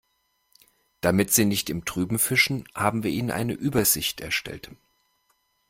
Damit Sie nicht im Trüben fischen, haben wir Ihnen eine Übersicht erstellt.